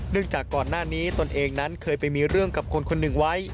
จากก่อนหน้านี้ตนเองนั้นเคยไปมีเรื่องกับคนคนหนึ่งไว้